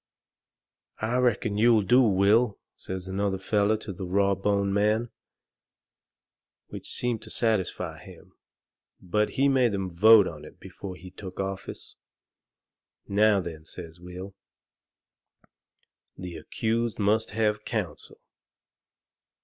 "I reckon you'll do, Will," says another feller to the raw boned man, which seemed to satisfy him. But he made 'em vote on it before he took office. "Now then," says Will, "the accused must have counsel."